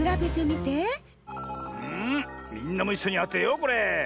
みんなもいっしょにあてようこれ。